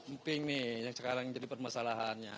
mping nih yang sekarang jadi permasalahan